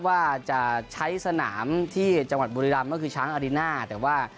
ว่าจะใช้สนามที่จังหวัดบุรีรำก็คือช้างอาริน่าแต่ว่า